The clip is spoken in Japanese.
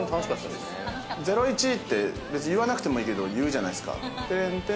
『ゼロイチ』って別に言わなくてもいいじゃないですか。